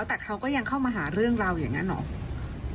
แต่เขาก็ยังเข้ามาหาเรื่องเราอย่างนั้นเหรอ